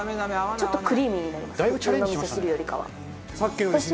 ちょっとクリーミーになります